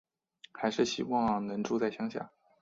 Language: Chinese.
还是希望能住在乡下